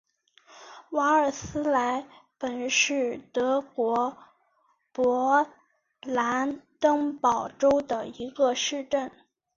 瓦尔斯莱本是德国勃兰登堡州的一个市镇。